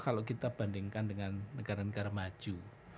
kalau kita bandingkan dengan negara negara maju